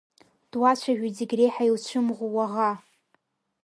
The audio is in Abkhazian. Дуацәажәоит зегь реиҳа иуцәымӷу уаӷа.